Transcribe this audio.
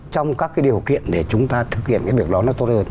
trong các điều kiện để chúng ta thực hiện việc đó tốt hơn